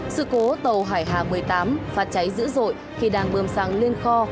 sự cố tàu hải hà một mươi tám phát cháy dữ dội khi đang bơm sang liên kho